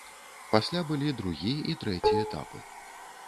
Пасля былі другі і трэці этапы.